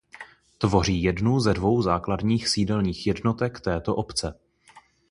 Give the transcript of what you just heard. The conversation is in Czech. Tvoří jednu ze dvou základních sídelních jednotek této obce.